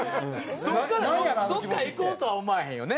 そこからどこか行こうとは思わへんよね。